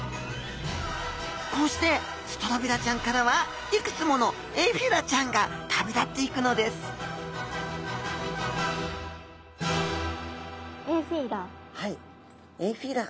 こうしてストロビラちゃんからはいくつものエフィラちゃんが旅立っていくのですエフィラ？